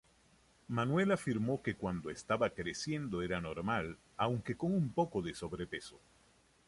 Manuel afirmó que cuando estaba creciendo era normal, aunque con un poco de sobrepeso.